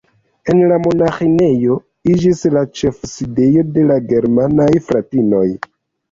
La monaĥinejo iĝis la ĉefsidejo de la germanaj fratinoj.